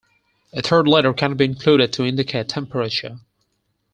A third letter can be included to indicate temperature.